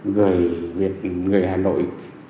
người hà nội